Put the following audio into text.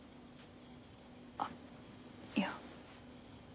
あっいや。